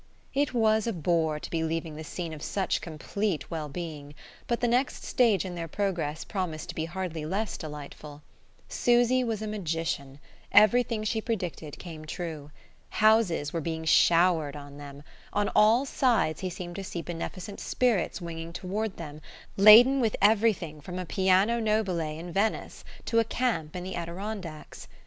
It was a bore to be leaving the scene of such complete well being, but the next stage in their progress promised to be hardly less delightful. Susy was a magician: everything she predicted came true. Houses were being showered on them; on all sides he seemed to see beneficent spirits winging toward them, laden with everything from a piano nobile in Venice to a camp in the Adirondacks.